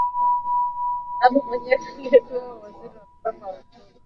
Babu mwenyewe aliyepewa uwaziri wa Mipango ya Uchumi